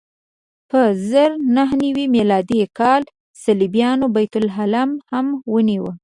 په زر نهه نوې میلادي کال صلیبیانو بیت لحم هم ونیو.